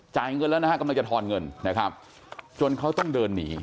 เงินแล้วนะฮะกำลังจะทอนเงินนะครับจนเขาต้องเดินหนี